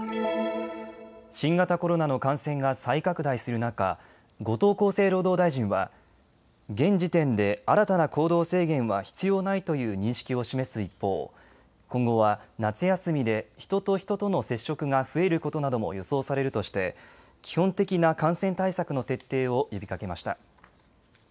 新型コロナの感染が再拡大する中、後藤厚生労働大臣は現時点で新たな行動制限は必要ないという認識を示す一方、今後は夏休みで人と人との接触が増えることなども予想されるとして基本的な感染対策の徹底を呼びかけました。